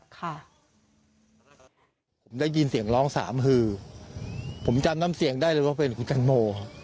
ได้ยินเสียงร้องสามฮือผมจำนำกรณ์เสียงได้แล้วว่าเป็นคุณจังโม